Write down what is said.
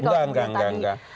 enggak enggak enggak